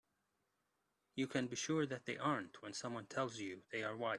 You can be sure that they aren't when someone tells you they are wise.